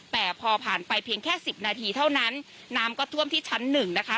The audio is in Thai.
แต่พอผ่านไปเพียงแค่สิบนาทีเท่านั้นน้ำก็ท่วมที่ชั้นหนึ่งนะคะ